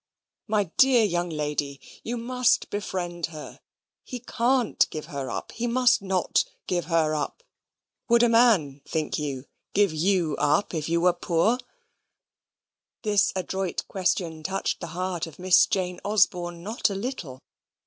My dear young lady! you must befriend her. He can't give her up. He must not give her up. Would a man, think you, give YOU up if you were poor?" This adroit question touched the heart of Miss Jane Osborne not a little.